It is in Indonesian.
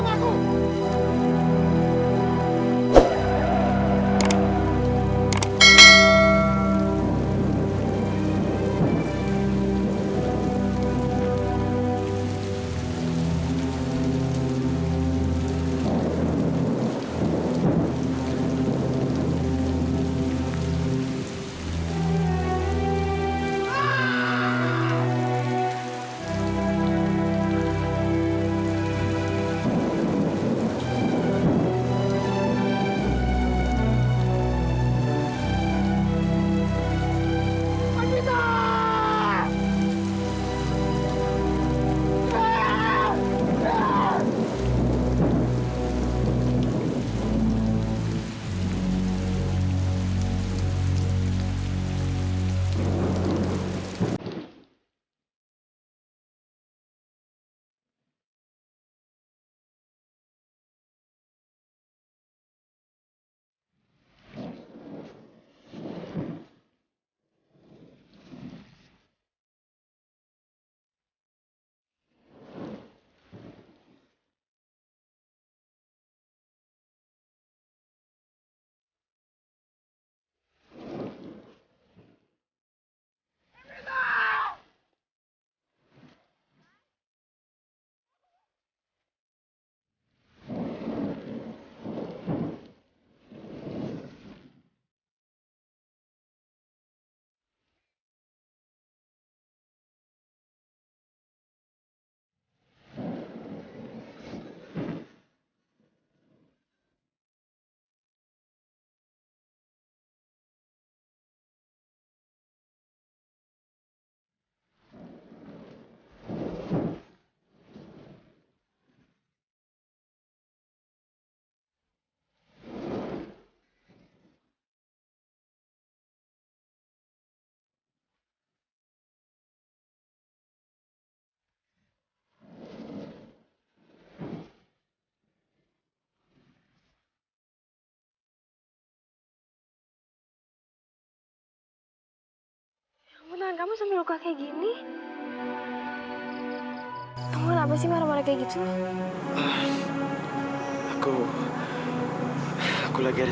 mama kamu tinggal semangku